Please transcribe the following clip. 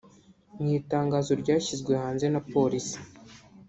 Mu itangazo ryashyizwe hanze na polisi